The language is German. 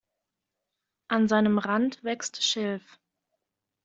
An seinem Rand wächst Schilf.